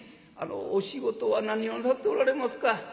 お仕事は何をなさっておられますか？」。